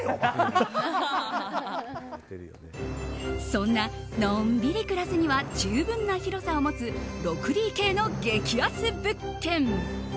そんな、のんびり暮らすには十分な広さを持つ６ＤＫの激安物件。